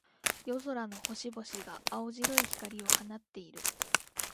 夜空の星々が、青白い光を放っている。